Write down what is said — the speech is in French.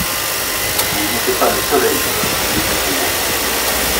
Il n'était pas le soleil, s'écriait Dubourg.